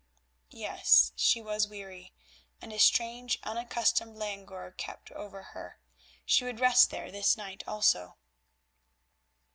Yes, she was weary, and a strange unaccustomed languor crept over her; she would rest there this night also.